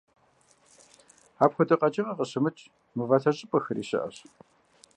Апхуэдэу къэкӏыгъэ къыщымыкӏ мывалъэ щӏыпӏэхэри щыӏэщ.